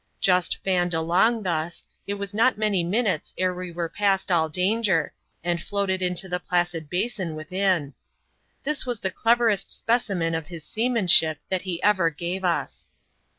Just fanned along thus, it was not many minates ere we were past all danger, and floated into the placid basin within. This was the cleverest specimen of his seamanship that be ever gave us.